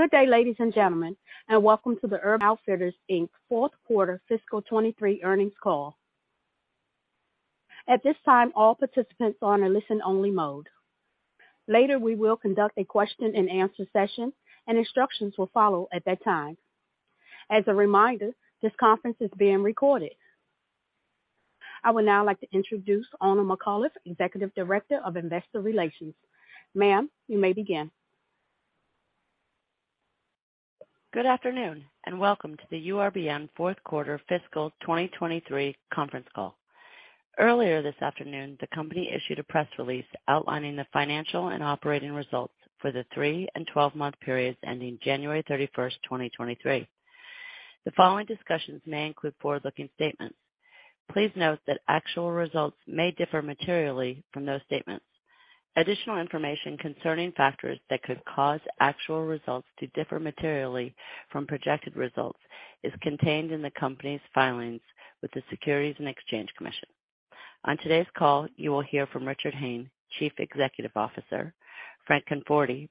Good day, ladies and gentlemen, and welcome to the Urban Outfitters, Inc. fourth quarter fiscal 2023 earnings call. At this time, all participants are in a listen-only mode. Later, we will conduct a question-and-answer session, and instructions will follow at that time. As a reminder, this conference is being recorded. I would now like to introduce Oona McCullough, Executive Director of Investor Relations. Ma'am, you may begin. Good afternoon and welcome to the URBN fourth quarter fiscal 2023 conference call. Earlier this afternoon, the company issued a press release outlining the financial and operating results for the three and 12-month periods ending January 31st, 2023. The following discussions may include forward-looking statements. Please note that actual results may differ materially from those statements. Additional information concerning factors that could cause actual results to differ materially from projected results is contained in the company's filings with the Securities and Exchange Commission. On today's call, you will hear from Richard Hayne, Chief Executive Officer, Frank Conforti,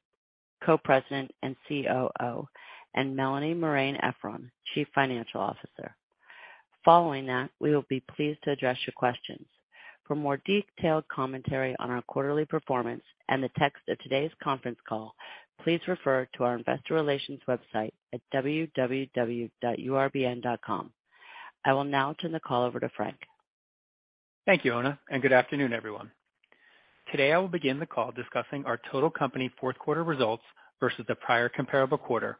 Co-President and COO, and Melanie Marein-Efron, Chief Financial Officer. Following that, we will be pleased to address your questions. For more detailed commentary on our quarterly performance and the text of today's conference call, please refer to our investor relations website at www.urbn.com. I will now turn the call over to Frank. Thank you, Oona. Good afternoon, everyone. Today, I will begin the call discussing our total company fourth quarter results versus the prior comparable quarter,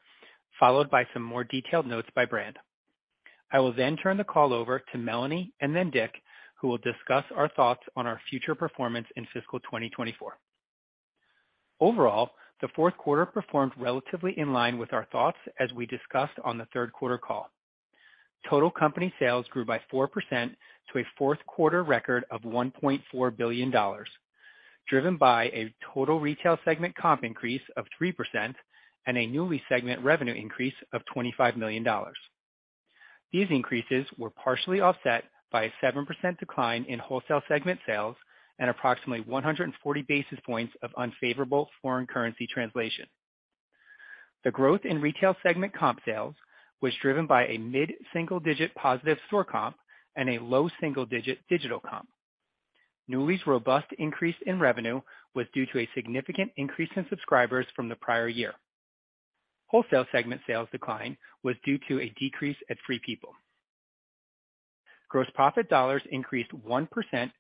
followed by some more detailed notes by brand. I will turn the call over to Melanie and Dick, who will discuss our thoughts on our future performance in fiscal 2024. Overall, the fourth quarter performed relatively in line with our thoughts as we discussed on the third quarter call. Total company sales grew by 4% to a fourth quarter record of $1.4 billion, driven by a total retail segment comp increase of 3% and a Nuuly segment revenue increase of $25 million. These increases were partially offset by a 7% decline in wholesale segment sales and approximately 140 basis points of unfavorable foreign currency translation. The growth in retail segment comp sales was driven by a mid-single-digit positive store comp and a low single-digit digital comp. Nuuly's robust increase in revenue was due to a significant increase in subscribers from the prior year. Wholesale segment sales decline was due to a decrease at Free People. Gross profit dollars increased 1%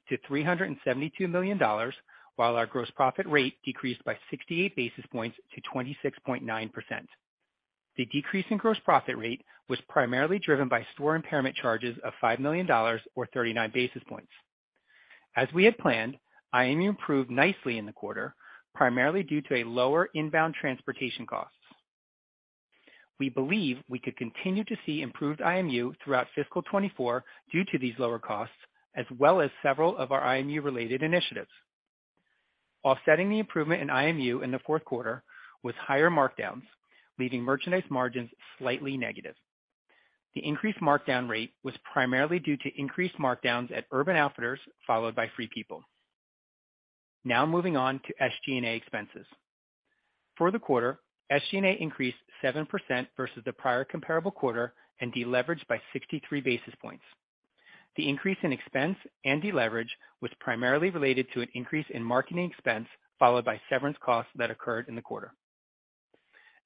to $372 million, while our gross profit rate decreased by 68 basis points to 26.9%. The decrease in gross profit rate was primarily driven by store impairment charges of $5 million or 39 basis points. As we had planned, IMU improved nicely in the quarter, primarily due to a lower inbound transportation costs. We believe we could continue to see improved IMU throughout fiscal 2024 due to these lower costs, as well as several of our IMU-related initiatives. Offsetting the improvement in IMU in the fourth quarter was higher markdowns, leaving merchandise margins slightly negative. The increased markdown rate was primarily due to increased markdowns at Urban Outfitters, followed by Free People. Moving on to SG&A expenses. For the quarter, SG&A increased 7% versus the prior comparable quarter and deleveraged by 63 basis points. The increase in expense and deleverage was primarily related to an increase in marketing expense, followed by severance costs that occurred in the quarter.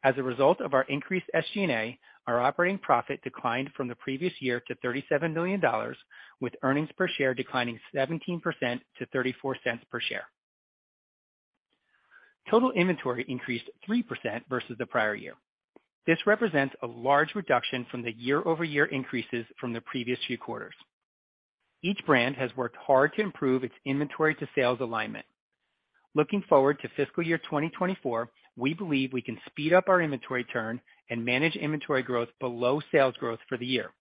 As a result of our increased SG&A, our operating profit declined from the previous year to $37 million, with earnings per share declining 17% to $0.34 per share. Total inventory increased 3% versus the prior year. This represents a large reduction from the year-over-year increases from the previous few quarters. Each brand has worked hard to improve its inventory-to-sales alignment. Looking forward to fiscal year 2024, we believe we can speed up our inventory turn and manage inventory growth below sales growth for the year.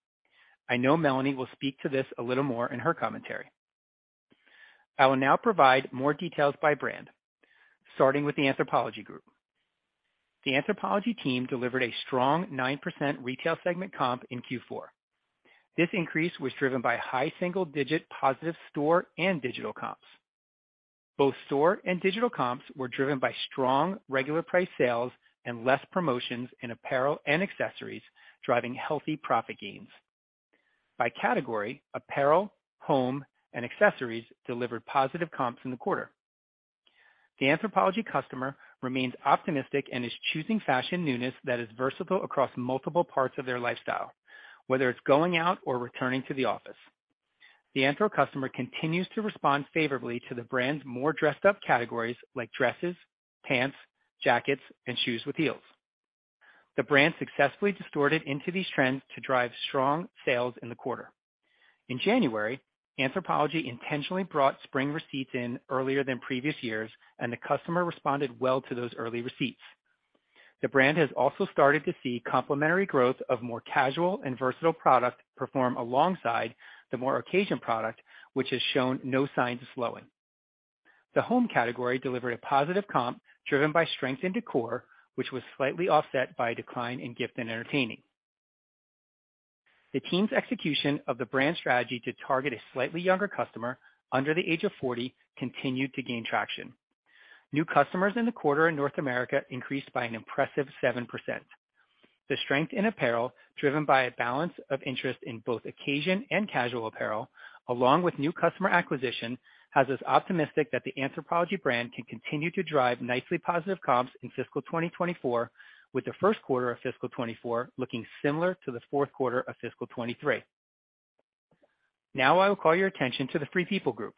I know Melanie will speak to this a little more in her commentary. I will now provide more details by brand, starting with the Anthropologie Group. The Anthropologie team delivered a strong 9% retail segment comp in Q4. This increase was driven by high single-digit positive store and digital comps. Both store and digital comps were driven by strong regular price sales and less promotions in apparel and accessories, driving healthy profit gains. By category, apparel, home, and accessories delivered positive comps in the quarter. The Anthropologie customer remains optimistic and is choosing fashion newness that is versatile across multiple parts of their lifestyle, whether it's going out or returning to the office. The Anthro customer continues to respond favorably to the brand's more dressed-up categories like dresses, pants, jackets, and shoes with heels. The brand successfully distorted into these trends to drive strong sales in the quarter. In January, Anthropologie intentionally brought spring receipts in earlier than previous years, and the customer responded well to those early receipts. The brand has also started to see complementary growth of more casual and versatile product perform alongside the more occasion product, which has shown no sign of slowing. The home category delivered a positive comp driven by strength in decor, which was slightly offset by a decline in gift and entertaining. The team's execution of the brand strategy to target a slightly younger customer under the age of 40 continued to gain traction. New customers in the quarter in North America increased by an impressive 7%. The strength in apparel, driven by a balance of interest in both occasion and casual apparel, along with new customer acquisition, has us optimistic that the Anthropologie brand can continue to drive nicely positive comps in fiscal 2024, with the first quarter of fiscal 2024 looking similar to the fourth quarter of fiscal 2023. I will call your attention to the Free People Group.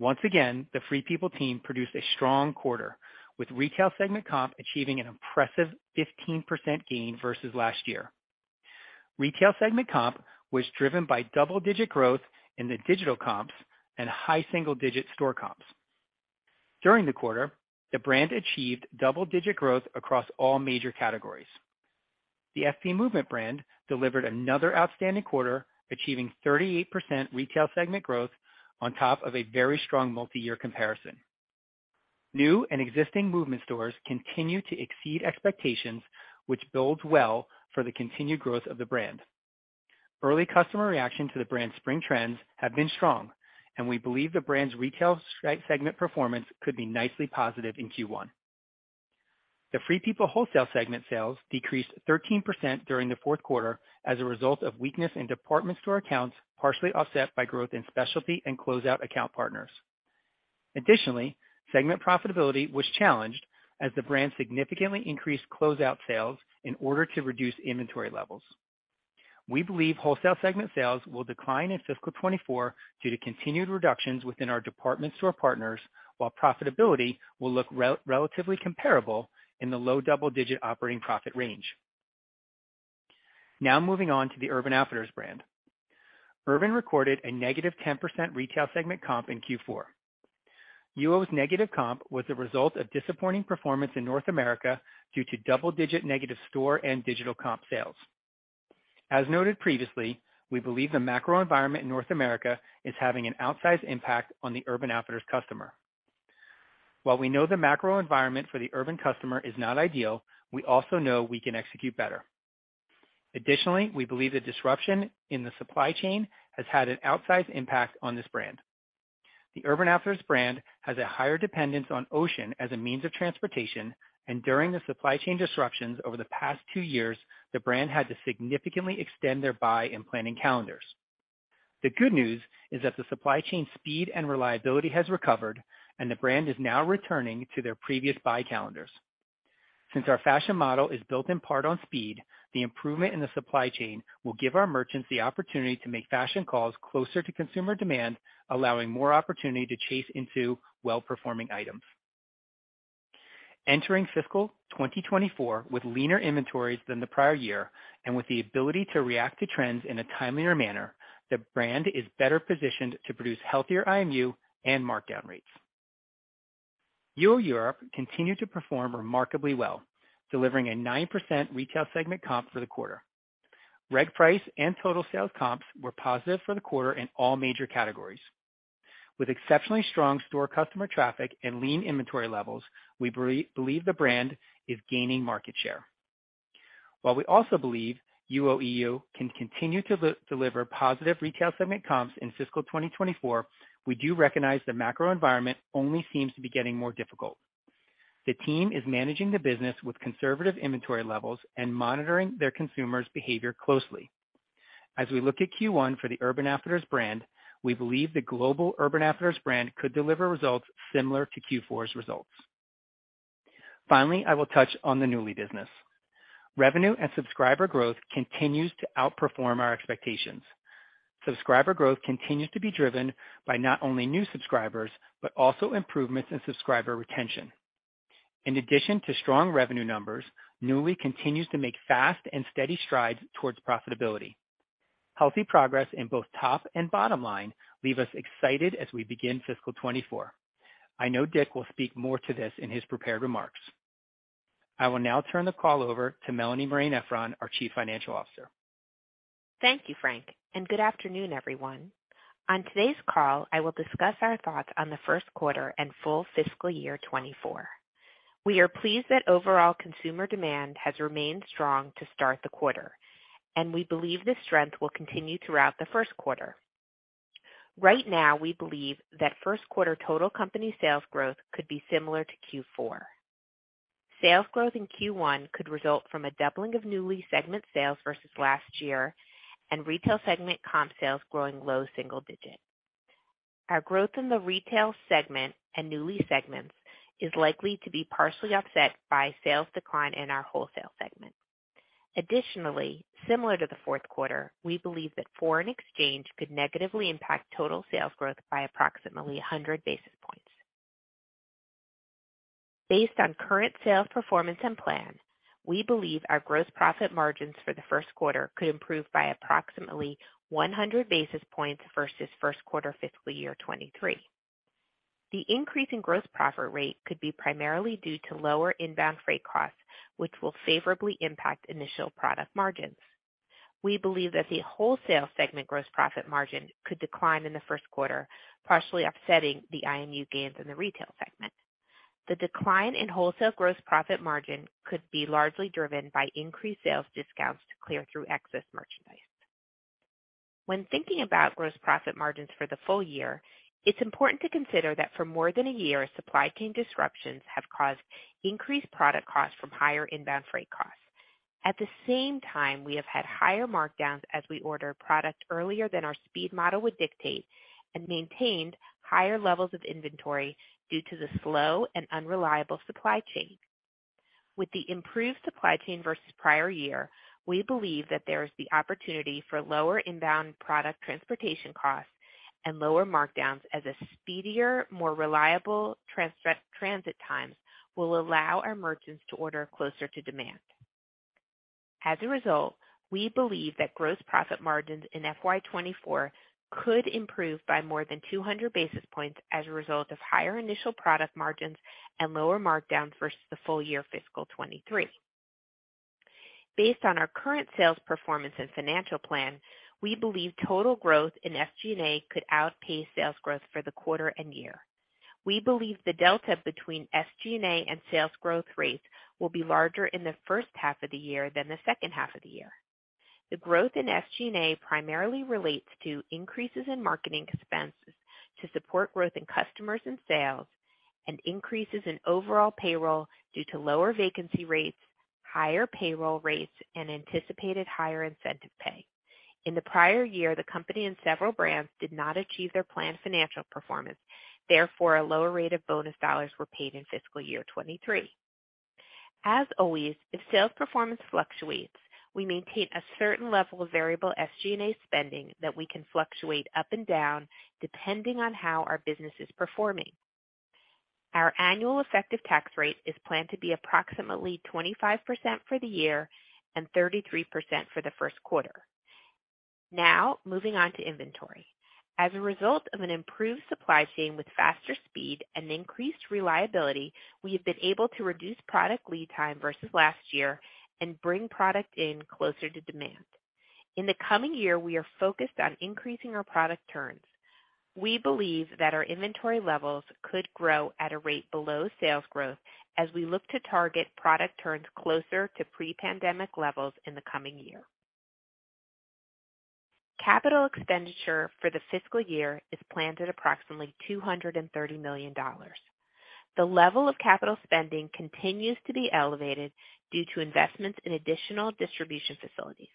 Once again, the Free People team produced a strong quarter, with retail segment comp achieving an impressive 15% gain versus last year. Retail segment comp was driven by double-digit growth in the digital comps and high single-digit store comps. During the quarter, the brand achieved double-digit growth across all major categories. The FP Movement brand delivered another outstanding quarter, achieving 38% retail segment growth on top of a very strong multi-year comparison. New and existing Movement stores continue to exceed expectations, which bodes well for the continued growth of the brand. We believe the brand's retail segment performance could be nicely positive in Q1. The Free People wholesale segment sales decreased 13% during the fourth quarter as a result of weakness in department store accounts, partially offset by growth in specialty and closeout account partners. Additionally, segment profitability was challenged as the brand significantly increased closeout sales in order to reduce inventory levels. We believe wholesale segment sales will decline in fiscal 2024 due to continued reductions within our department store partners, while profitability will look relatively comparable in the low double-digit operating profit range. Moving on to the Urban Outfitters brand. Urban recorded a negative 10% retail segment comp in Q4. UO's negative comp was the result of disappointing performance in North America due to double-digit negative store and digital comp sales. As noted previously, we believe the macro environment in North America is having an outsized impact on the Urban Outfitters customer. While we know the macro environment for the Urban customer is not ideal, we also know we can execute better. We believe the disruption in the supply chain has had an outsized impact on this brand. The Urban Outfitters brand has a higher dependence on ocean as a means of transportation, and during the supply chain disruptions over the past two years, the brand had to significantly extend their buy and planning calendars. The good news is that the supply chain speed and reliability has recovered, and the brand is now returning to their previous buy calendars. Since our fashion model is built in part on speed, the improvement in the supply chain will give our merchants the opportunity to make fashion calls closer to consumer demand, allowing more opportunity to chase into well-performing items. Entering fiscal 2024 with leaner inventories than the prior year and with the ability to react to trends in a timelier manner, the brand is better positioned to produce healthier IMU and markdown rates. UO Europe continued to perform remarkably well, delivering a 9% retail segment comp for the quarter. Reg price and total sales comps were positive for the quarter in all major categories. With exceptionally strong store customer traffic and lean inventory levels, we believe the brand is gaining market share. While we also believe UOEU can continue to de-deliver positive retail segment comps in fiscal 2024, we do recognize the macro environment only seems to be getting more difficult. The team is managing the business with conservative inventory levels and monitoring their consumers' behavior closely. As we look at Q1 for the Urban Outfitters brand, we believe the global Urban Outfitters brand could deliver results similar to Q4's results. Finally, I will touch on the Nuuly business. Revenue and subscriber growth continues to outperform our expectations. Subscriber growth continues to be driven by not only new subscribers, but also improvements in subscriber retention. In addition to strong revenue numbers, Nuuly continues to make fast and steady strides towards profitability. Healthy progress in both top and bottom line leave us excited as we begin fiscal 2024. I know Dick will speak more to this in his prepared remarks. I will now turn the call over to Melanie Marein-Efron, our Chief Financial Officer. Thank you, Frank. Good afternoon, everyone. On today's call, I will discuss our thoughts on the first quarter and full fiscal year 2024. We are pleased that overall consumer demand has remained strong to start the quarter. We believe this strength will continue throughout the first quarter. Right now, we believe that first quarter total company sales growth could be similar to Q4. Sales growth in Q1 could result from a doubling of Nuuly segment sales versus last year and retail segment comp sales growing low single digit. Our growth in the retail segment and Nuuly segments is likely to be partially offset by sales decline in our wholesale segment. Additionally, similar to the fourth quarter, we believe that foreign exchange could negatively impact total sales growth by approximately 100 basis points. Based on current sales performance and plans, we believe our gross profit margins for the first quarter could improve by approximately 100 basis points versus first quarter fiscal year 2023. The increase in gross profit rate could be primarily due to lower inbound freight costs, which will favorably impact initial product margins. We believe that the wholesale segment gross profit margin could decline in the first quarter, partially offsetting the IMU gains in the retail segment. The decline in wholesale gross profit margin could be largely driven by increased sales discounts to clear through excess merchandise. When thinking about gross profit margins for the full year, it's important to consider that for more than a year, supply chain disruptions have caused increased product costs from higher inbound freight costs. At the same time, we have had higher markdowns as we order product earlier than our speed model would dictate, and maintained higher levels of inventory due to the slow and unreliable supply chain. With the improved supply chain versus prior year, we believe that there is the opportunity for lower inbound product transportation costs and lower markdowns as a speedier, more reliable trans-transit times will allow our merchants to order closer to demand. As a result, we believe that gross profit margins in FY 2024 could improve by more than 200 basis points as a result of higher initial product margins and lower markdowns versus the full year fiscal 2023. Based on our current sales performance and financial plan, we believe total growth in SG&A could outpace sales growth for the quarter and year. We believe the delta between SG&A and sales growth rates will be larger in the first half of the year than the second half of the year. The growth in SG&A primarily relates to increases in marketing expenses to support growth in customers and sales, and increases in overall payroll due to lower vacancy rates, higher payroll rates, and anticipated higher incentive pay. In the prior year, the company and several brands did not achieve their planned financial performance, therefore, a lower rate of bonus dollars were paid in fiscal year 23. As always, if sales performance fluctuates, we maintain a certain level of variable SG&A spending that we can fluctuate up and down depending on how our business is performing. Our annual effective tax rate is planned to be approximately 25% for the year and 33% for the first quarter. Moving on to inventory. As a result of an improved supply chain with faster speed and increased reliability, we have been able to reduce product lead time versus last year and bring product in closer to demand. In the coming year, we are focused on increasing our product turns. We believe that our inventory levels could grow at a rate below sales growth as we look to target product turns closer to pre-pandemic levels in the coming year. Capital expenditure for the fiscal year is planned at approximately $230 million. The level of capital spending continues to be elevated due to investments in additional distribution facilities.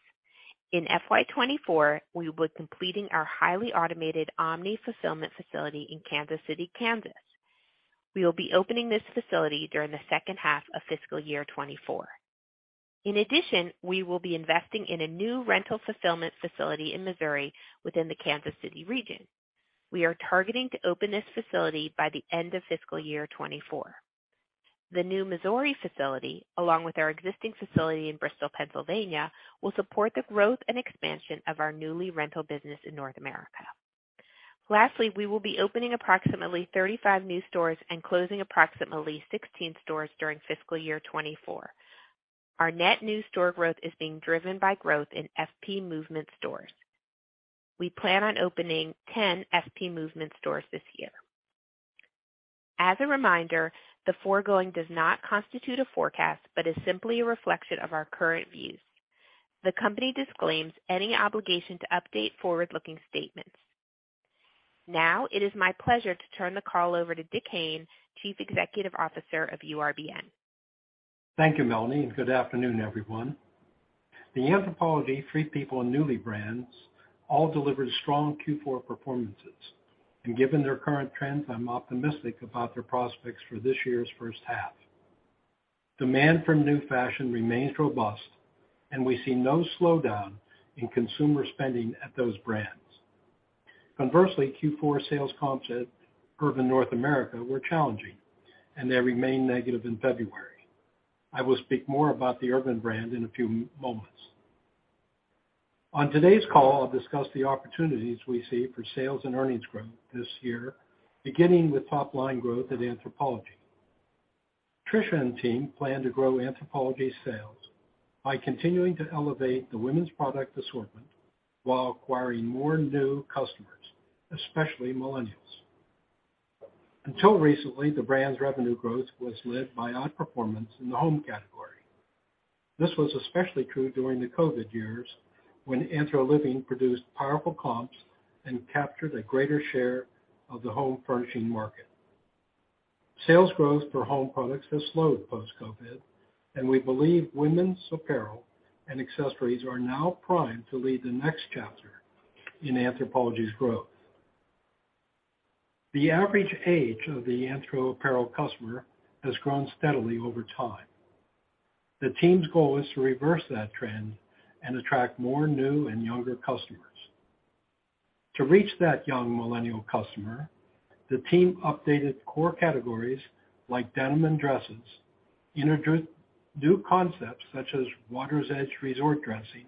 In FY 2024, we'll be completing our highly automated omni-fulfillment facility in Kansas City, Kansas. We will be opening this facility during the second half of fiscal year 2024. In addition, we will be investing in a new rental fulfillment facility in Missouri within the Kansas City region. We are targeting to open this facility by the end of fiscal year 2024. The new Missouri facility, along with our existing facility in Bristol, Pennsylvania, will support the growth and expansion of our Nuuly rental business in North America. Lastly, we will be opening approximately 35 new stores and closing approximately 16 stores during fiscal year 2024. Our net new store growth is being driven by growth in FP Movement stores. We plan on opening 10 FP Movement stores this year. As a reminder, the foregoing does not constitute a forecast, but is simply a reflection of our current views. The company disclaims any obligation to update forward-looking statements. Now it is my pleasure to turn the call over to Dick Hayne, Chief Executive Officer of URBN. Thank you, Melanie. Good afternoon, everyone. The Anthropologie, Free People, and Nuuly brands all delivered strong Q4 performances. Given their current trends, I'm optimistic about their prospects for this year's first half. Demand for new fashion remains robust, and we see no slowdown in consumer spending at those brands. Conversely, Q4 sales comps at Urban North America were challenging, and they remain negative in February. I will speak more about the Urban brand in a few moments. On today's call, I'll discuss the opportunities we see for sales and earnings growth this year, beginning with top-line growth at Anthropologie. Tricia and team plan to grow Anthropologie sales by continuing to elevate the women's product assortment while acquiring more new customers, especially millennials. Until recently, the brand's revenue growth was led by outperformance in the home category. This was especially true during the COVID years when AnthroLiving produced powerful comps and captured a greater share of the home furnishing market. Sales growth for home products has slowed post-COVID, and we believe women's apparel and accessories are now primed to lead the next chapter in Anthropologie's growth. The average age of the Anthro apparel customer has grown steadily over time. The team's goal is to reverse that trend and attract more new and younger customers. To reach that young millennial customer, the team updated core categories like denim and dresses, introduced new concepts such as Water's Edge resort dressing,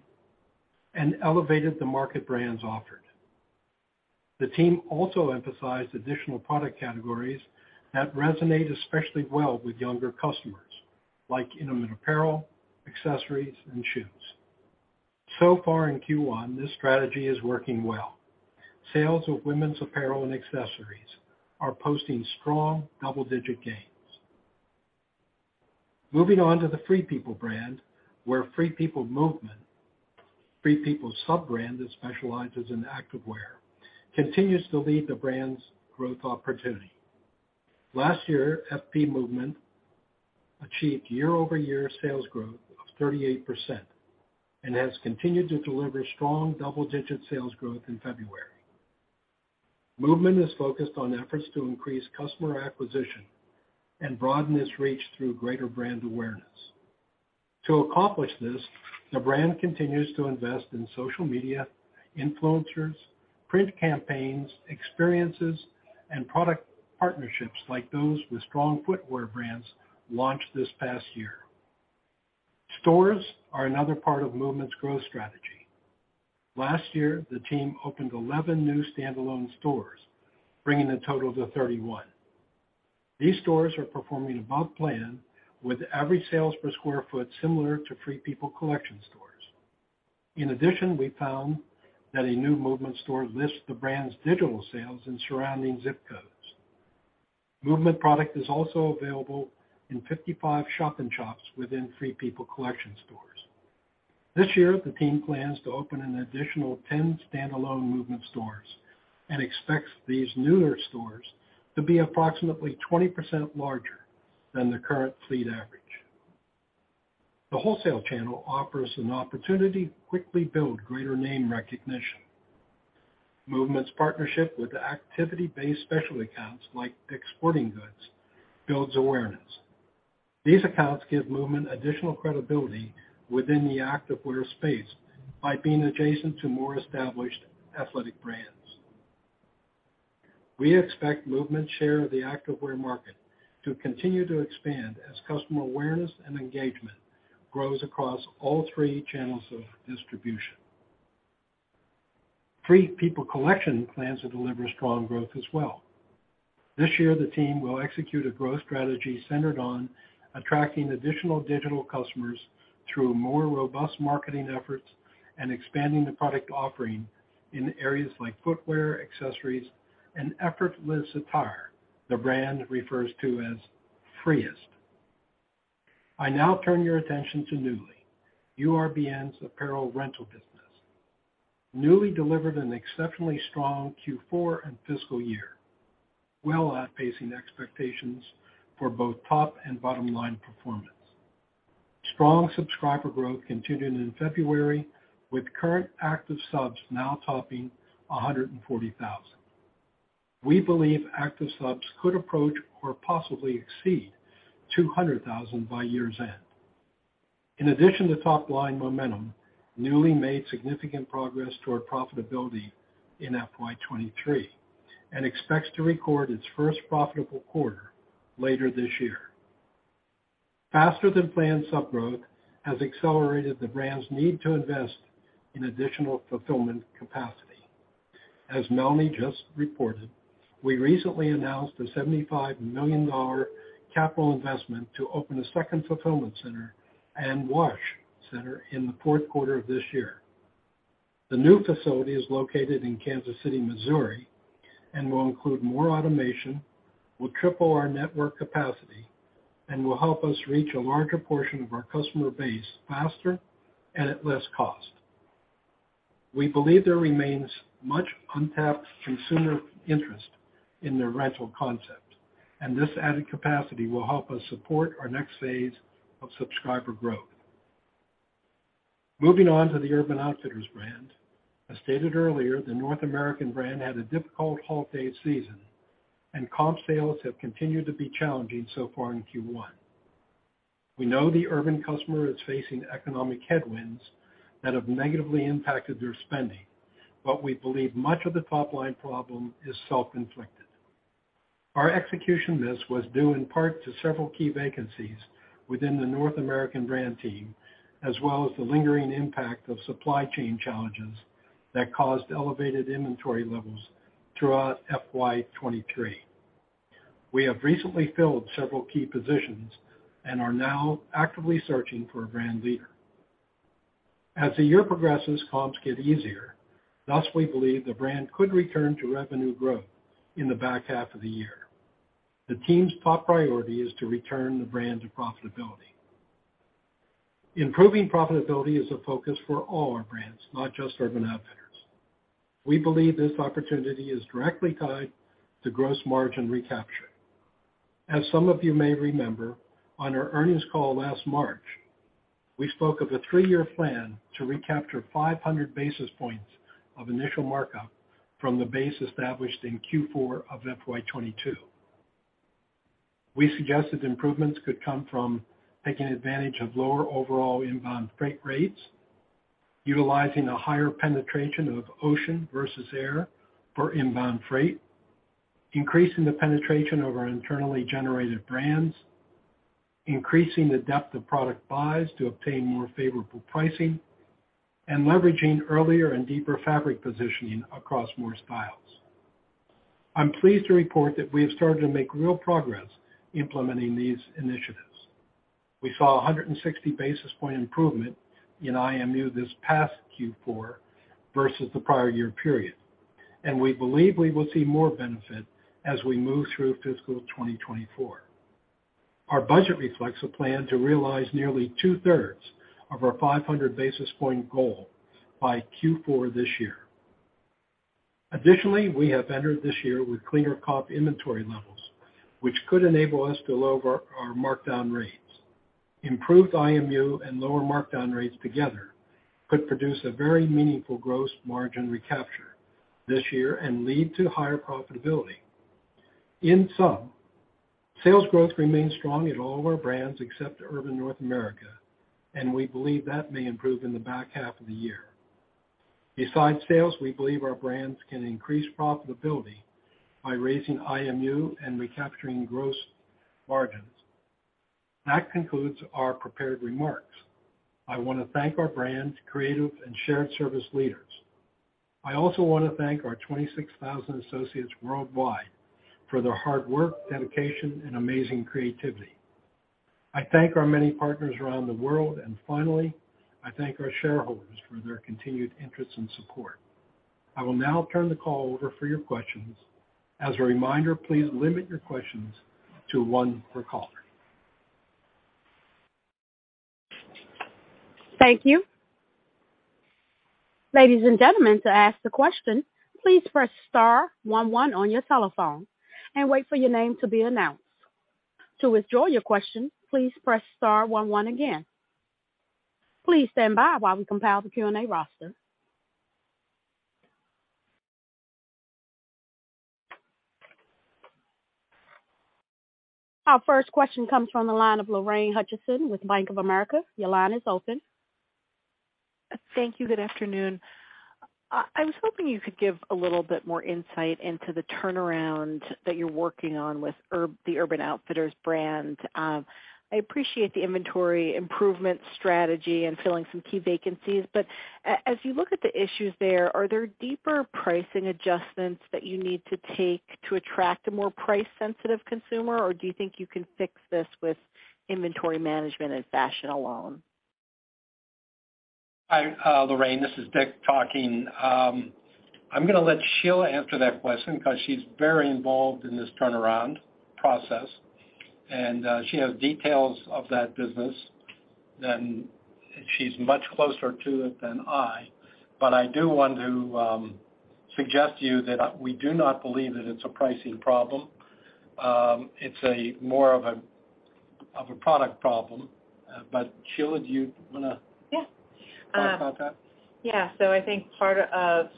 and elevated the market brands offered. The team also emphasized additional product categories that resonate especially well with younger customers, like intimate apparel, accessories, and shoes. Far in Q1, this strategy is working well. Sales of women's apparel and accessories are posting strong double-digit gains. Moving on to the Free People, where FP Movement, Free People's sub-brand that specializes in activewear, continues to lead the brand's growth opportunity. Last year, FP Movement achieved year-over-year sales growth of 38% and has continued to deliver strong double-digit sales growth in February. Movement is focused on efforts to increase customer acquisition and broaden its reach through greater brand awareness. To accomplish this, the brand continues to invest in social media, influencers, print campaigns, experiences, and product partnerships, like those with strong footwear brands launched this past year. Stores are another part of Movement's growth strategy. Last year, the team opened 11 new standalone stores, bringing the total to 31. These stores are performing above plan with average sales per square foot similar to Free People Collection stores. In addition, we found that a new Movement store lifts the brand's digital sales in surrounding zip codes. Movement product is also available in 55 shop-in-shops within Free People Collection stores. This year, the team plans to open an additional 10 standalone Movement stores and expects these newer stores to be approximately 20% larger than the current fleet average. The wholesale channel offers an opportunity to quickly build greater name recognition. Movement's partnership with activity-based special accounts like Dick's Sporting Goods builds awareness. These accounts give Movement additional credibility within the activewear space by being adjacent to more established athletic brands. We expect Movement's share of the activewear market to continue to expand as customer awareness and engagement grows across all three channels of distribution. Free People Collection plans to deliver strong growth as well. This year, the team will execute a growth strategy centered on attracting additional digital customers through more robust marketing efforts and expanding the product offering in areas like footwear, accessories, and effortless attire the brand refers to as Free-est. I now turn your attention to Nuuly, URBN's apparel rental business. Nuuly delivered an exceptionally strong Q4 and fiscal year, well outpacing expectations for both top and bottom-line performance. Strong subscriber growth continued in February with current active subs now topping 140,000. We believe active subs could approach or possibly exceed 200,000 by year's end. In addition to top-line momentum, Nuuly made significant progress toward profitability in FY 2023 and expects to record its first profitable quarter later this year. Faster-than-planned sub growth has accelerated the brand's need to invest in additional fulfillment capacity. As Melanie just reported, we recently announced a $75 million capital investment to open a second fulfillment center and wash center in the fourth quarter of this year. The new facility is located in Kansas City, Missouri, will include more automation, will triple our network capacity, will help us reach a larger portion of our customer base faster and at less cost. We believe there remains much untapped consumer interest in the rental concept, this added capacity will help us support our next phase of subscriber growth. Moving on to the Urban Outfitters brand. As stated earlier, the North American brand had a difficult holiday season, comp sales have continued to be challenging so far in Q1. We know the Urban customer is facing economic headwinds that have negatively impacted their spending, we believe much of the top-line problem is self-inflicted. Our execution miss was due in part to several key vacancies within the North American brand team, as well as the lingering impact of supply chain challenges that caused elevated inventory levels throughout FY 2023. We have recently filled several key positions and are now actively searching for a brand leader. As the year progresses, comps get easier, thus we believe the brand could return to revenue growth in the back half of the year. The team's top priority is to return the brand to profitability. Improving profitability is a focus for all our brands, not just Urban Outfitters. We believe this opportunity is directly tied to gross margin recapture. As some of you may remember, on our earnings call last March, we spoke of a three-year plan to recapture 500 basis points of initial markup from the base established in Q4 of FY 2022. We suggested improvements could come from taking advantage of lower overall inbound freight rates, utilizing a higher penetration of ocean versus air for inbound freight, increasing the penetration of our internally generated brands, increasing the depth of product buys to obtain more favorable pricing, and leveraging earlier and deeper fabric positioning across more styles. I'm pleased to report that we have started to make real progress implementing these initiatives. We saw a 160 basis point improvement in IMU this past Q4 versus the prior year period. We believe we will see more benefit as we move through fiscal 2024. Our budget reflects a plan to realize nearly two-thirds of our 500 basis point goal by Q4 this year. Additionally, we have entered this year with cleaner comp inventory levels, which could enable us to lower our markdown rates. Improved IMU and lower markdown rates together could produce a very meaningful gross margin recapture this year and lead to higher profitability. In sum, sales growth remains strong at all of our brands except Urban North America, and we believe that may improve in the back half of the year. Besides sales, we believe our brands can increase profitability by raising IMU and recapturing gross margins. That concludes our prepared remarks. I wanna thank our brands, creative, and shared service leaders. I also wanna thank our 26,000 associates worldwide for their hard work, dedication, and amazing creativity. I thank our many partners around the world, and finally, I thank our shareholders for their continued interest and support. I will now turn the call over for your questions. As a reminder, please limit your questions to one per caller. Thank you. Ladies and gentlemen, to ask the question, please press star one one on your telephone and wait for your name to be announced. To withdraw your question, please press star one one again. Please stand by while we compile the Q&A roster. Our first question comes from the line of Lorraine Hutchinson with Bank of America. Your line is open. Thank you. Good afternoon. I was hoping you could give a little bit more insight into the turnaround that you're working on with the Urban Outfitters brand. I appreciate the inventory improvement strategy and filling some key vacancies. As you look at the issues there, are there deeper pricing adjustments that you need to take to attract a more price-sensitive consumer? Or do you think you can fix this with inventory management and fashion alone? Hi, Lorraine. This is Dick talking. I'm gonna let Sheila answer that question because she's very involved in this turnaround process, and she has details of that business she's much closer to it than I. I do want to suggest to you that we do not believe that it's a pricing problem. It's a more of a, of a product problem. Sheila, do you wanna Yeah. talk about that? Yeah. I think part of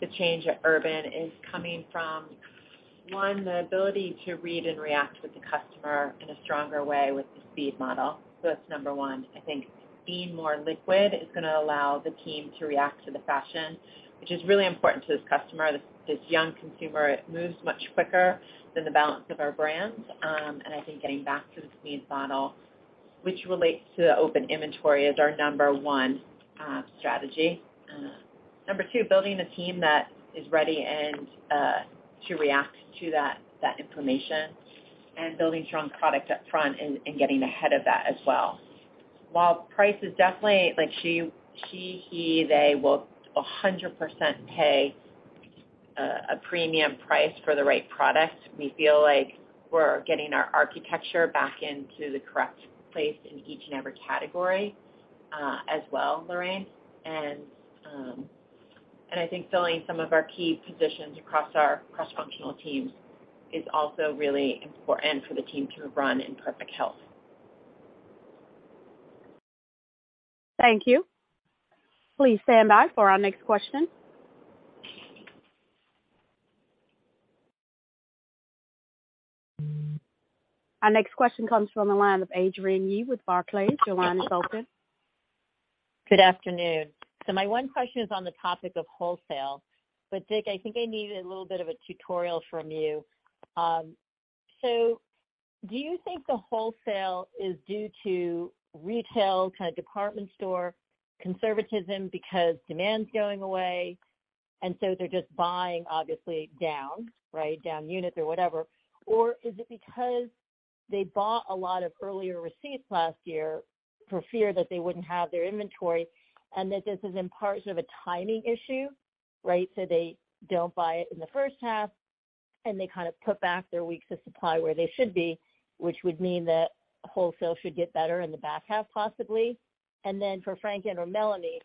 the change at Urban is coming from, one, the ability to read and react with the customer in a stronger way with the speed model. That's number 1. I think being more liquid is gonna allow the team to react to the fashion, which is really important to this customer. This young consumer moves much quicker than the balance of our brands. I think getting back to the speed model, which relates to the open inventory, is our number one strategy. Number two, building a team that is ready and to react to that information, and building strong product up front and getting ahead of that as well. While price is definitely like they will 100% pay a premium price for the right product, we feel like we're getting our architecture back into the correct place in each and every category as well, Lorraine. I think filling some of our key positions across our cross-functional teams is also really important for the team to run in perfect health. Thank you. Please stand by for our next question. Our next question comes from the line of Adrienne Yih with Barclays. Your line is open. Good afternoon. My one question is on the topic of wholesale. Dick, I think I need a little bit of a tutorial from you. Do you think the wholesale is due to retail, kind of department store conservatism because demand's going away, and so they're just buying obviously down, right? Down units or whatever. Or is it because they bought a lot of earlier receipts last year for fear that they wouldn't have their inventory, and that this is in part sort of a timing issue, right? They don't buy it in the first half, and they kind of put back their weeks of supply where they should be, which would mean that wholesale should get better in the back half, possibly. For Frank or Melanie,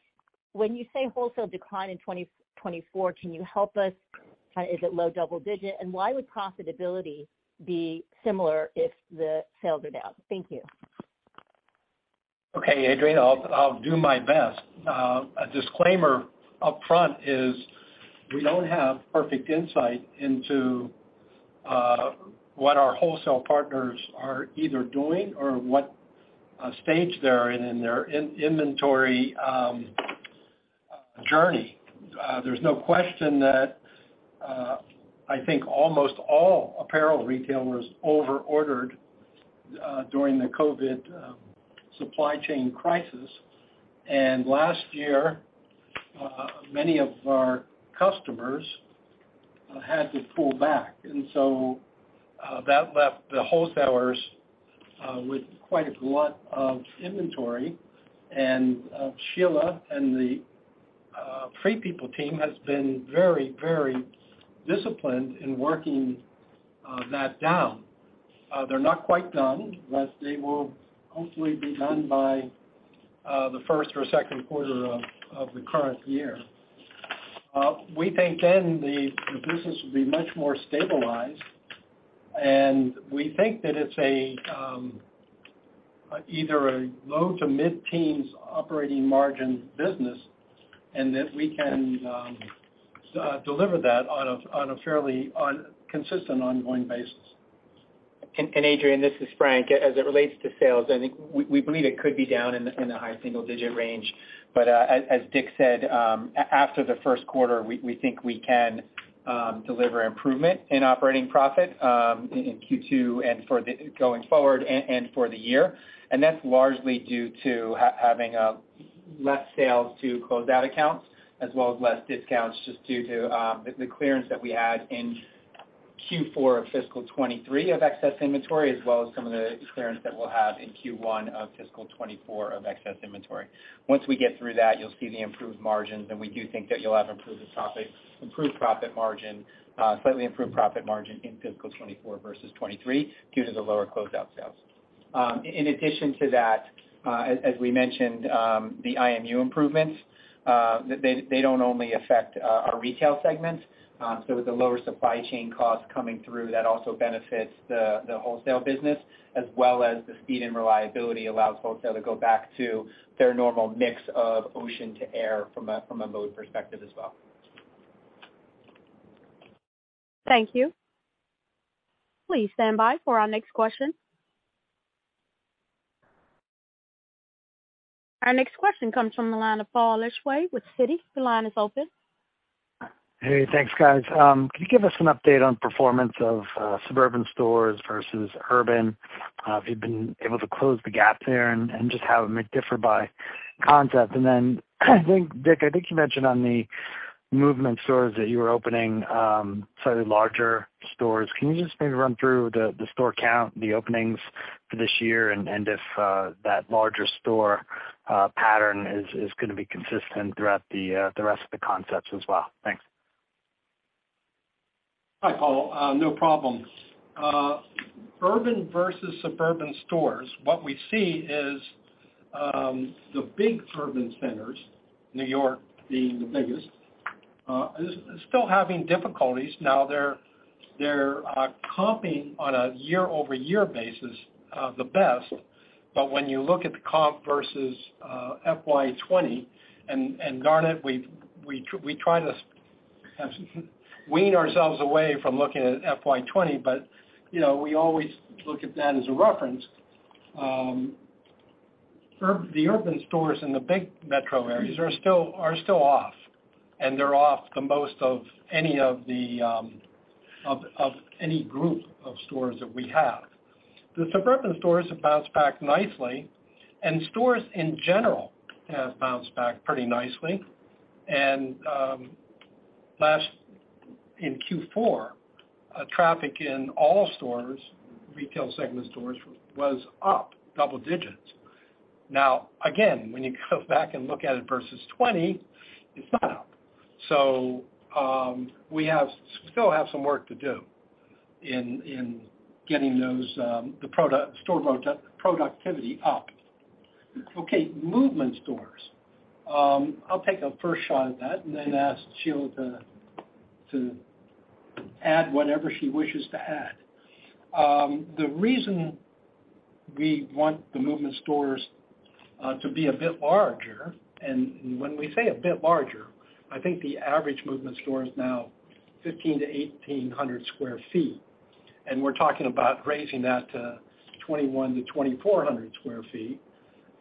when you say wholesale decline in 2024, can you help us? Is it low double-digit? Why would profitability be similar if the sales are down? Thank you. Okay, Adrienne, I'll do my best. A disclaimer up front is we don't have perfect insight into what our wholesale partners are either doing or what stage they're in in their in-inventory journey. There's no question that I think almost all apparel retailers over ordered during the COVID supply chain crisis. Last year, many of our customers had to pull back. That left the wholesalers with quite a glut of inventory. Sheila and the Free People team has been very, very disciplined in working that down. They're not quite done, but they will hopefully be done by the first or second quarter of the current year. We think then the business will be much more stabilized, and we think that it's either a low to mid-teens operating margin business and that we can deliver that on a fairly consistent ongoing basis. Adrienne, this is Frank. As it relates to sales, I think we believe it could be down in the high single-digit range. As Dick said, after the first quarter, we think we can deliver improvement in operating profit in Q2 and going forward and for the year. That's largely due to having less sales to closeout accounts as well as less discounts just due to the clearance that we had in Q4 of fiscal 2023 of excess inventory as well as some of the clearance that we'll have in Q1 of fiscal 2024 of excess inventory. Once we get through that, you'll see the improved margins. We do think that you'll have improved profit margin, slightly improved profit margin in fiscal 2024 versus 2023 due to the lower closeout sales. In addition to that, as we mentioned, the IMU improvements, they don't only affect our retail segments. With the lower supply chain costs coming through, that also benefits the wholesale business as well as the speed and reliability allows wholesale to go back to their normal mix of ocean to air from a mode perspective as well. Thank you. Please stand by for our next question. Our next question comes from the line of Paul Lejuez with Citi. Your line is open. Hey, thanks, guys. Can you give us an update on performance of suburban stores versus urban? If you've been able to close the gap there and just how it might differ by concept. I think, Dick, you mentioned on the FP Movement stores that you were opening slightly larger stores. Can you just maybe run through the store count, the openings for this year and if that larger store pattern is gonna be consistent throughout the rest of the concepts as well? Thanks. Hi, Paul. No problem. Urban versus suburban stores, what we see is, the big urban centers, New York being the biggest, is still having difficulties. Now, they're comping on a year-over-year basis, the best. When you look at the comp versus, FY 2020, and darn it, we try to wean ourselves away from looking at FY 2020, but, you know, we always look at that as a reference. The urban stores in the big metro areas are still off, and they're off the most of any of the, of any group of stores that we have. The suburban stores have bounced back nicely, and stores in general have bounced back pretty nicely. Last in Q4, traffic in all stores, retail segment stores, was up double digits. Now, again, when you go back and look at it versus 2020, it's not up. Still have some work to do in getting those store productivity up. Okay, Movement stores. I'll take a first shot at that and then ask Sheila to add whatever she wishes to add. The reason we want the Movement stores to be a bit larger, and when we say a bit larger, I think the average Movement store is now 1,500-1,800 sq ft, and we're talking about raising that to 2,100-2,400 sq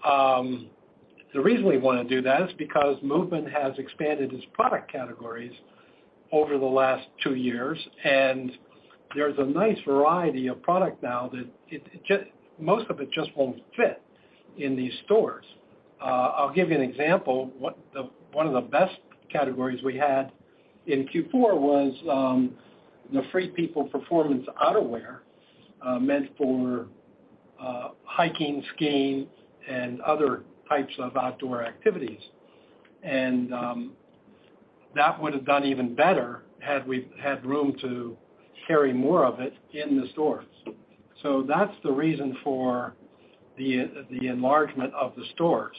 ft. The reason we wanna do that is because Movement has expanded its product categories over the last two years, and there's a nice variety of product now that it, most of it just won't fit in these stores. I'll give you an example. One of the best categories we had in Q4 was the Free People performance outerwear meant for hiking, skiing, and other types of outdoor activities. That would have done even better had we had room to carry more of it in the stores. That's the reason for the enlargement of the stores.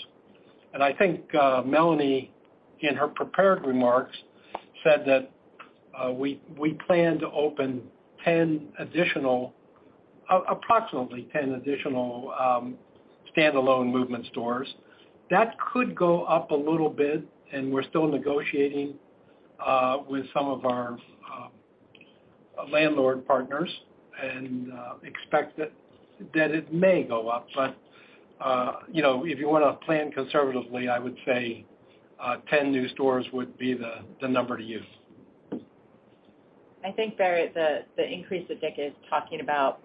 I think Melanie, in her prepared remarks, said that we plan to open approximately 10 additional standalone Movement stores. That could go up a little bit. We're still negotiating with some of our landlord partners and expect that it may go up. You know, if you wanna plan conservatively, I would say 10 new stores would be the number to use. I think Paul, the increase that Dick is talking about,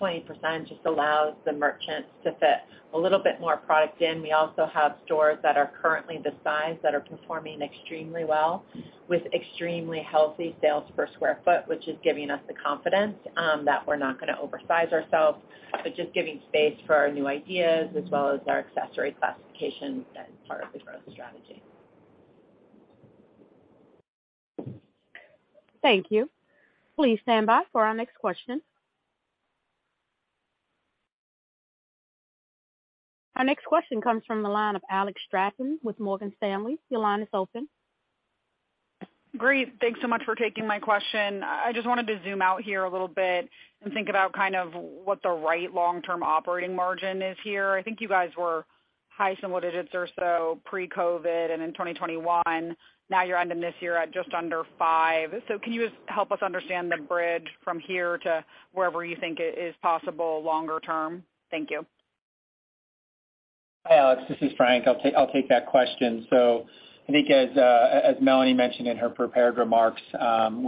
20% just allows the merchants to fit a little bit more product in. We also have stores that are currently the size that are performing extremely well with extremely healthy sales per square foot, which is giving us the confidence that we're not gonna oversize ourselves, but just giving space for our new ideas as well as our accessory classification as part of the growth strategy. Thank you. Please stand by for our next question. Our next question comes from the line of Alexandra Straton with Morgan Stanley. Your line is open. Great. Thanks so much for taking my question. I just wanted to zoom out here a little bit and think about kind of what the right long-term operating margin is here. I think you guys were high single digits or so pre-COVID and in 2021. Now you're ending this year at just under 5%. Can you just help us understand the bridge from here to wherever you think it is possible longer term? Thank you. Hi, Alex. This is Frank. I'll take that question. I think as Melanie mentioned in her prepared remarks,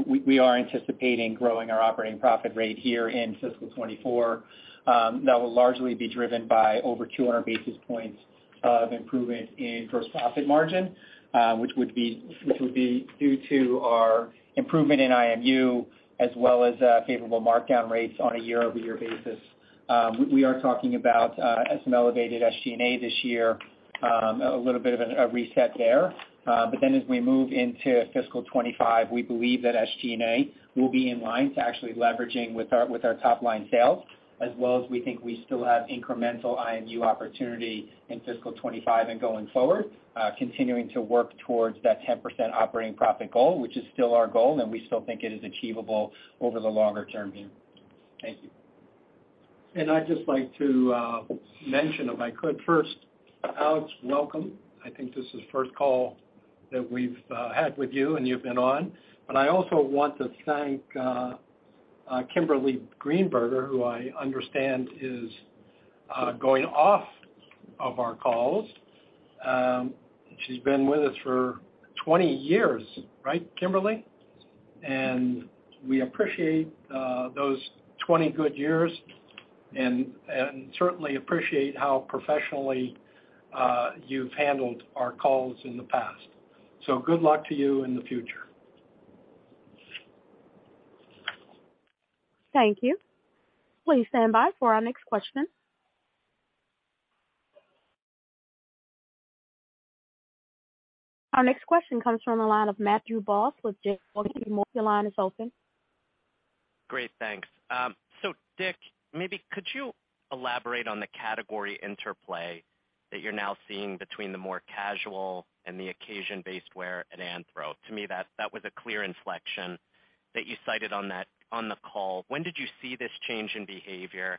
we are anticipating growing our operating profit rate here in fiscal 2024. That will largely be driven by over 200 basis points of improvement in gross profit margin, which would be due to our improvement in IMU as well as favorable markdown rates on a year-over-year basis. We are talking about as an elevated SG&A this year, a little bit of a reset there. As we move into fiscal 25, we believe that SG&A will be in line to actually leveraging with our, with our top line sales, as well as we think we still have incremental IMU opportunity in fiscal 25 and going forward, continuing to work towards that 10% operating profit goal, which is still our goal, and we still think it is achievable over the longer term view. Thank you. I'd just like to mention, if I could first, Alex, welcome. I think this is the first call that we've had with you and you've been on. I also want to thank Kimberly Greenberger, who I understand is going off of our calls. She's been with us for 20 years, right, Kimberly? We appreciate those 20 good years and certainly appreciate how professionally you've handled our calls in the past. Good luck to you in the future. Thank you. Please stand by for our next question. Our next question comes from the line of Matthew Boss with JPMorgan. Your line is open. Great. Thanks. Dick, maybe could you elaborate on the category interplay that you're now seeing between the more casual and the occasion-based wear at Anthro? To me, that was a clear inflection that you cited on the call. When did you see this change in behavior?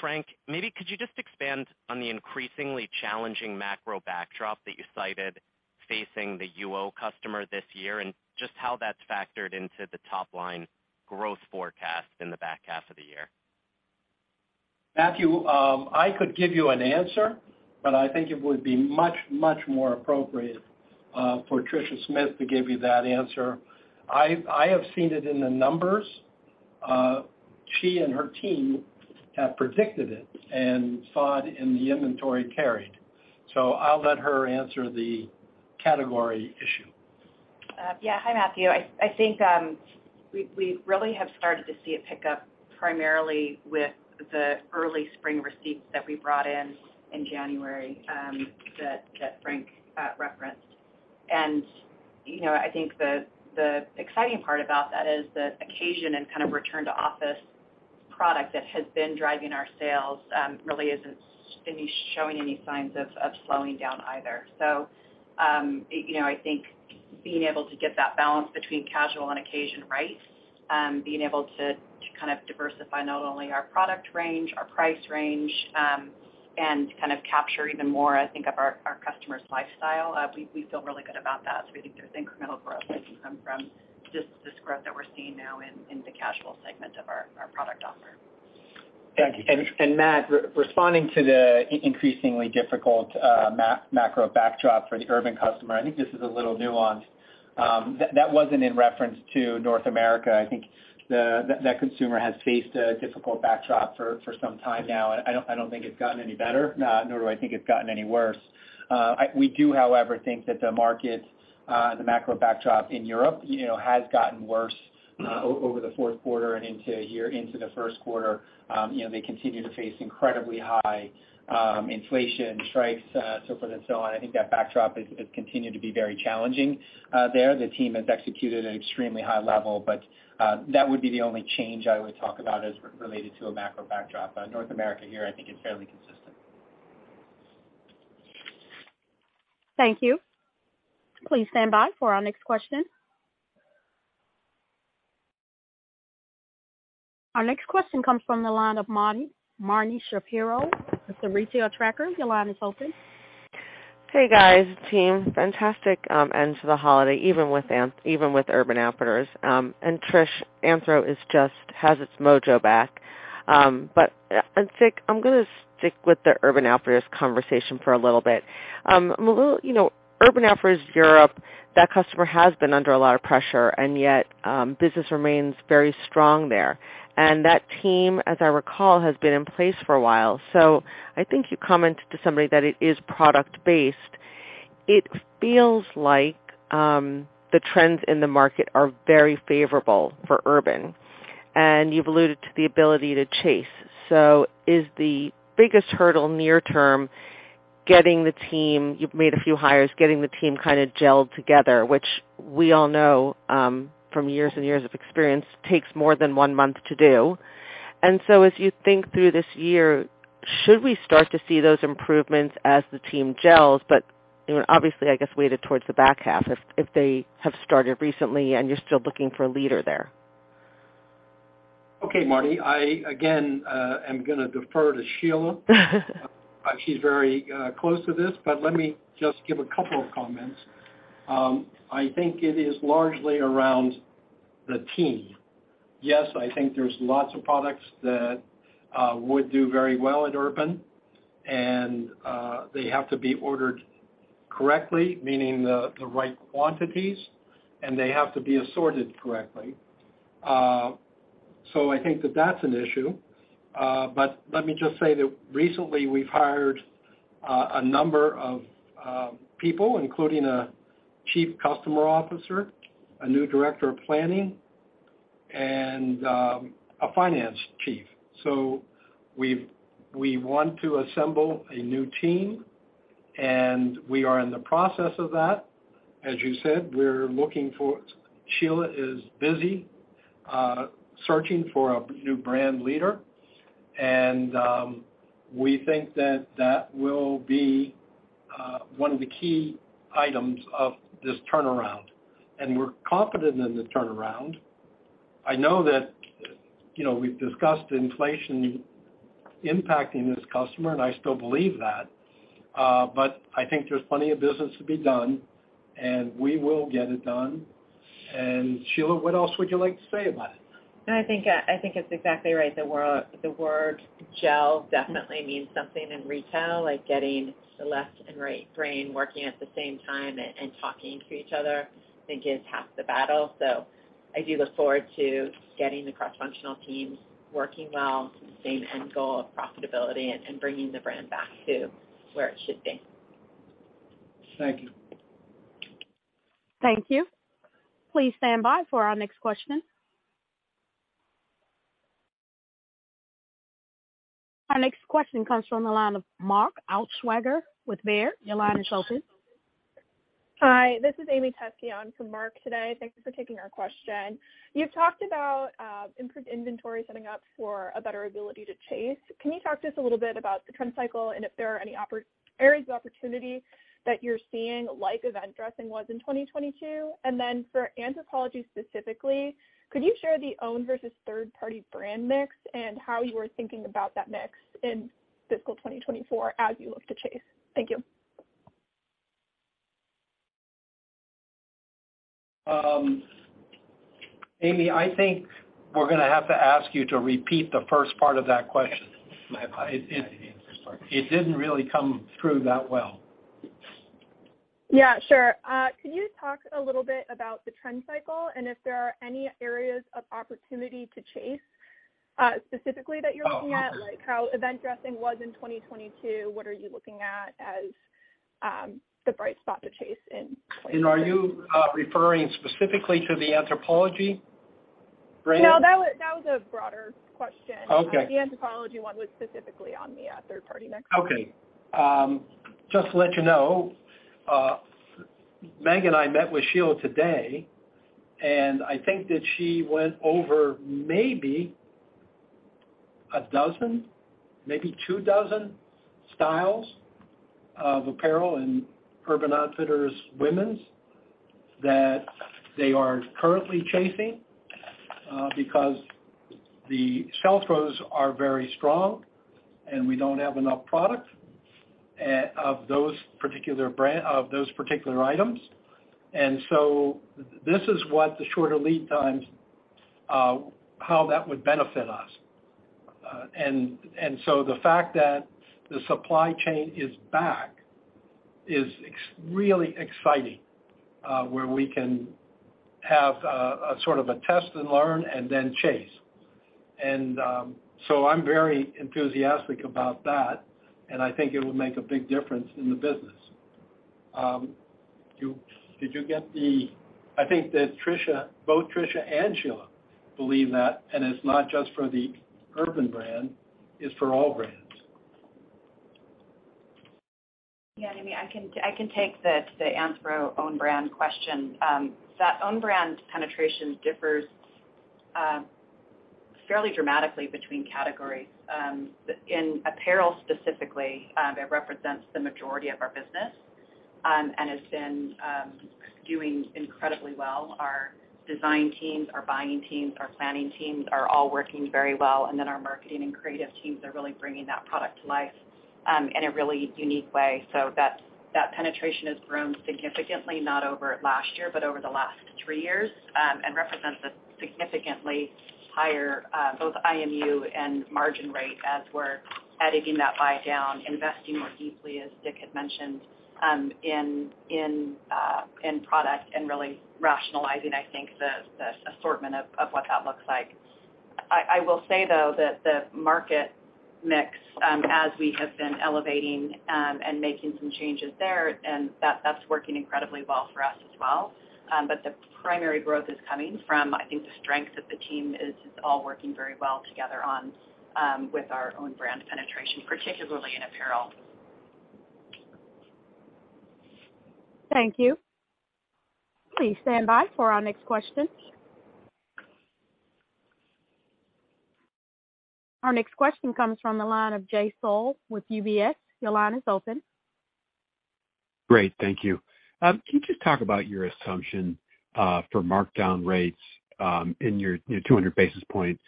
Frank, maybe could you just expand on the increasingly challenging macro backdrop that you cited facing the UO customer this year and just how that's factored into the top-line growth forecast in the back half of the year? Matthew, I could give you an answer, but I think it would be much more appropriate for Tricia Smith to give you that answer. I have seen it in the numbers. She and her team have predicted it and saw it in the inventory carried. I'll let her answer the category issue. Hi, Matthew. I think we really have started to see a pickup primarily with the early spring receipts that we brought in in January that Frank referenced. You know, I think the exciting part about that is the occasion and kind of return to office product that has been driving our sales really isn't showing any signs of slowing down either. You know, I think being able to get that balance between casual and occasion right, being able to kind of diversify not only our product range, our price range, and kind of capture even more, I think, of our customer's lifestyle, we feel really good about that. We think there's incremental growth that can come from just this growth that we're seeing now in the casual segment of our product offer. Matt, responding to the increasingly difficult macro backdrop for the Urban customer, I think this is a little nuanced. That wasn't in reference to North America. I think that consumer has faced a difficult backdrop for some time now, I don't think it's gotten any better, nor do I think it's gotten any worse. We do, however, think that the market, the macro backdrop in Europe, you know, has gotten worse over the fourth quarter and into here into the first quarter. You know, they continue to face incredibly high inflation, strikes, so forth and so on. I think that backdrop has continued to be very challenging there. The team has executed at an extremely high level, but, that would be the only change I would talk about as related to a macro backdrop. North America here, I think is fairly consistent. Thank you. Please stand by for our next question. Our next question comes from the line of Marni Shapiro with The Retail Tracker. Your line is open. Hey, guys, team. Fantastic, end to the holiday, even with Urban Outfitters. Trish, Anthro is just, has its mojo back. And stick, I'm gonna stick with the Urban Outfitters conversation for a little bit. Well, you know, Urban Outfitters Europe, that customer has been under a lot of pressure, and yet, business remains very strong there. That team, as I recall, has been in place for a while. I think you commented to somebody that it is product based. It feels like, the trends in the market are very favorable for Urban, and you've alluded to the ability to chase. Is the biggest hurdle near term getting the team? You've made a few hires, getting the team kind of gelled together, which we all know, from years and years of experience, takes more than one month to do. As you think through this year, should we start to see those improvements as the team gels? You know, obviously, I guess, weighted towards the back half if they have started recently and you're still looking for a leader there. Okay, Marni. I, again, am gonna defer to Sheila. She's very close to this, but let me just give a couple of comments. I think it is largely around the team. Yes, I think there's lots of products that would do very well at Urban, and they have to be ordered correctly, meaning the right quantities, and they have to be assorted correctly. I think that that's an issue. Let me just say that recently we've hired a number of people, including a Chief Customer Officer, a new Director of Planning, and a Finance Chief. We want to assemble a new team, and we are in the process of that. As you said, we're looking for... Sheila is busy searching for a new brand leader, and we think that that will be one of the key items of this turnaround. We're confident in the turnaround. I know that, you know, we've discussed inflation impacting this customer, and I still believe that, but I think there's plenty of business to be done, and we will get it done. Sheila, what else would you like to say about it? I think it's exactly right. The word gel definitely means something in retail, like getting the left and right brain working at the same time and talking to each other, I think is half the battle. I do look forward to getting the cross-functional teams working well to the same end goal of profitability and bringing the brand back to where it should be. Thank you. Thank you. Please stand by for our next question. Our next question comes from the line of Mark Altschwager with Baird. Your line is open. Hi, this is Amy [Tusscion] on for Mark today. Thank you for taking our question. You've talked about improved inventory setting up for a better ability to chase. Can you talk to us a little bit about the trend cycle and if there are any areas of opportunity that you're seeing like event dressing was in 2022? For Anthropologie specifically, could you share the own versus third-party brand mix and how you are thinking about that mix in fiscal 2024 as you look to chase? Thank you. Amy, I think we're gonna have to ask you to repeat the first part of that question. My part. It didn't really come through that well. Yeah, sure. Can you talk a little bit about the trend cycle and if there are any areas of opportunity to chase, specifically that you're looking at, like how event dressing was in 2022, what are you looking at as the bright spot to chase in 2023? Are you referring specifically to the Anthropologie brand? No, that was a broader question. Okay. The Anthropologie one was specifically on the third-party mix. Okay. Just to let you know, Meg and I met with Sheila today, and I think that she went over maybe a dozen, maybe two dozen styles of apparel in Urban Outfitters women's that they are currently chasing, because the sell-throughs are very strong, and we don't have enough product of those particular items. This is what the shorter lead times, how that would benefit us. The fact that the supply chain is back is really exciting, where we can have a sort of a test and learn and then chase. So I'm very enthusiastic about that, and I think it will make a big difference in the business. Did you get the... I think that Tricia, both Tricia and Sheila believe that, and it's not just for the Urban brand, it's for all brands. Yeah, I mean, I can take the Anthro own brand question. That own brand penetration differs fairly dramatically between categories. In apparel specifically, it represents the majority of our business and has been doing incredibly well. Our design teams, our buying teams, our planning teams are all working very well, and then our marketing and creative teams are really bringing that product to life. In a really unique way. That penetration has grown significantly, not over last year, but over the last three years and represents a significantly higher both IMU and margin rate as we're editing that buy down, investing more deeply, as Dick had mentioned, in product and really rationalizing, I think, the assortment of what that looks like. I will say though that the market mix, as we have been elevating and making some changes there and that's working incredibly well for us as well. The primary growth is coming from, I think, the strength of the team is all working very well together on with our own brand penetration, particularly in apparel. Thank you. Please stand by for our next question. Our next question comes from the line of Jay Sole with UBS. Your line is open. Great. Thank you. Can you just talk about your assumption for markdown rates in your 200 basis points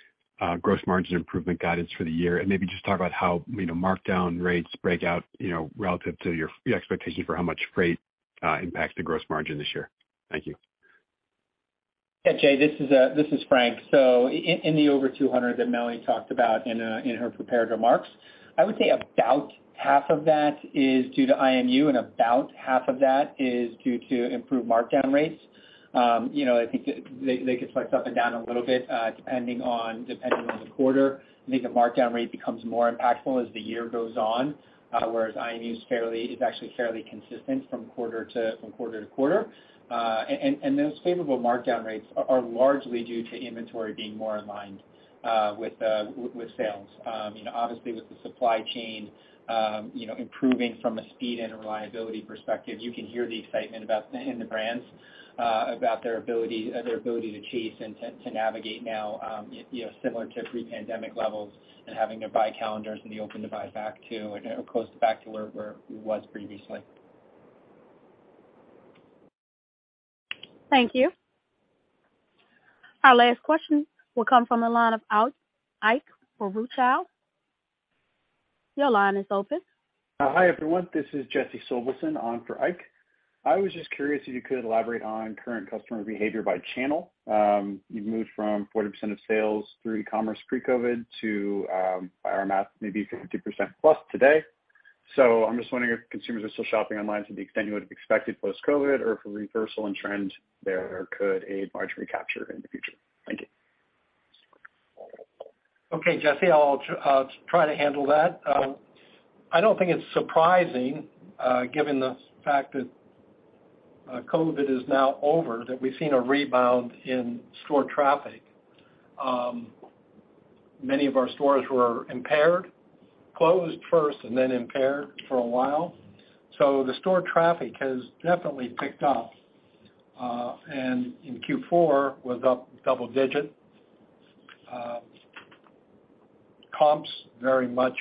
gross margin improvement guidance for the year? Maybe just talk about how, you know, markdown rates break out, you know, relative to your expectation for how much freight impacts the gross margin this year? Thank you. Yeah, Jay, this is Frank. In the over 200 that Melanie talked about in her prepared remarks, I would say about half of that is due to IMU and about half of that is due to improved markdown rates. You know, I think they could flex up and down a little bit, depending on the quarter. I think the markdown rate becomes more impactful as the year goes on, whereas IMU is actually fairly consistent from quarter to quarter. And those favorable markdown rates are largely due to inventory being more aligned with sales. You know, obviously, with the supply chain, improving from a speed and reliability perspective, you can hear the excitement about... in the brands, about their ability to chase and to navigate now, you know, similar to pre-pandemic levels and having their buy calendars and the open to buy close back to where it was previously. Thank you. Our last question will come from the line of Ike Boruchow. Your line is open. Hi, everyone. This is Jesse Sobelson on for Ike. I was just curious if you could elaborate on current customer behavior by channel. You've moved from 40% of sales through e-commerce pre-COVID to, by our math, maybe 50% plus today. I'm just wondering if consumers are still shopping online to the extent you would have expected post-COVID or if a reversal in trend there could aid margin recapture in the future. Thank you. Okay, Jesse, I'll try to handle that. I don't think it's surprising, given the fact that COVID is now over, that we've seen a rebound in store traffic. Many of our stores were impaired, closed first and then impaired for a while. The store traffic has definitely picked up, and in Q4 was up double-digit. Comps very much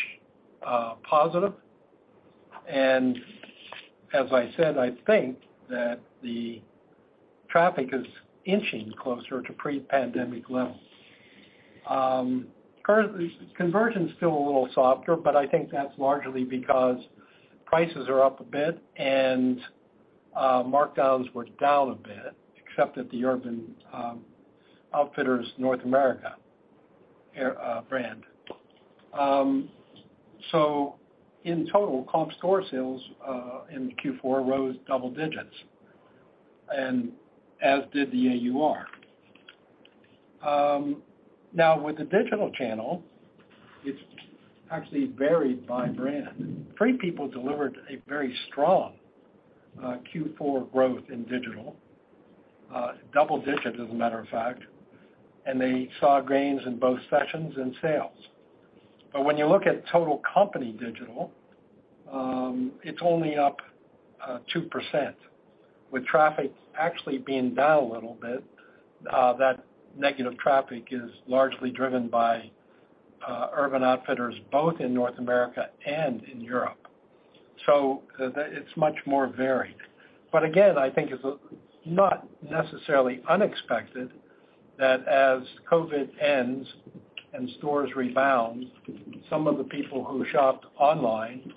positive. As I said, I think that the traffic is inching closer to pre-pandemic levels. Conversion is still a little softer, but I think that's largely because prices are up a bit and markdowns were down a bit, except at the Urban Outfitters North America brand. In total, comp store sales in Q4 rose double digits and as did the AUR. Now with the digital channel, it's actually varied by brand. Free People delivered a very strong Q4 growth in digital, double-digit as a matter of fact, and they saw gains in both sessions and sales. When you look at total company digital, it's only up 2%, with traffic actually being down a little bit. That negative traffic is largely driven by Urban Outfitters, both in North America and in Europe. It's much more varied. Again, I think it's not necessarily unexpected that as COVID ends and stores rebound, some of the people who shopped online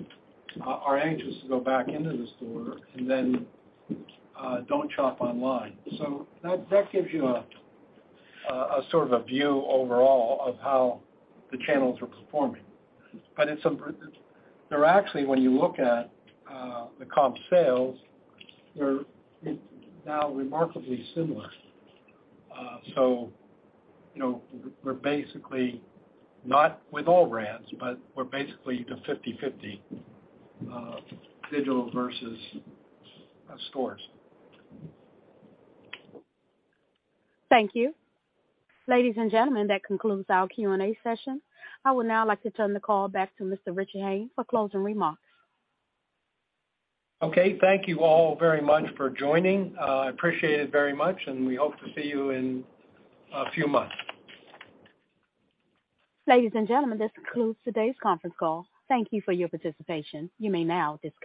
are anxious to go back into the store and then don't shop online. That, that gives you a sort of a view overall of how the channels are performing. They're actually, when you look at the comp sales, they're now remarkably similar. You know, we're basically not with all brands, but we're basically the 50/50, digital versus, stores. Thank you. Ladies and gentlemen, that concludes our Q&A session. I would now like to turn the call back to Mr. Richard Hayne for closing remarks. Okay. Thank you all very much for joining. I appreciate it very much. We hope to see you in a few months. Ladies and gentlemen, this concludes today's conference call. Thank you for your participation. You may now disconnect.